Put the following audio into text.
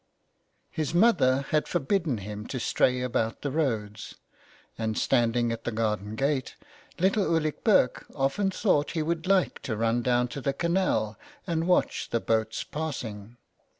His mother had forbidden him to stray about the roads, and standing at the garden gate, little Ulick Burke often thought he would like to run down to the canal and watch the boats passing.